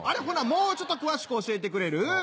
ほなもうちょっと詳しく教えてくれる？